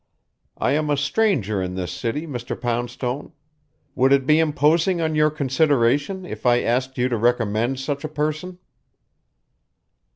I am a stranger in this city Mr. Poundstone. Would it be imposing on your consideration if I asked you to recommend such a person?"